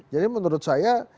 jadi menurut saya